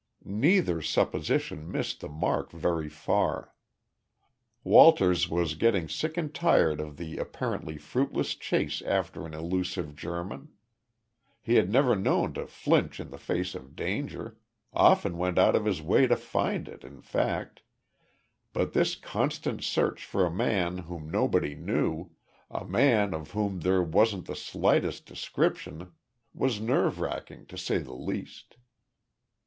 Neither supposition missed the mark very far. Walters was getting sick and tired of the apparently fruitless chase after an elusive German. He had never been known to flinch in the face of danger often went out of his way to find it, in fact but this constant search for a man whom nobody knew, a man of whom there wasn't the slightest description, was nerve racking, to say the least.